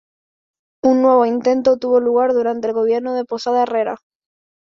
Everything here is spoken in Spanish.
Un nuevo intento tuvo lugar durante el gobierno de Posada Herrera.